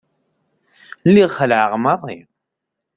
Lliɣ xelεeɣ maḍi.